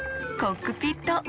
コックピットＸ！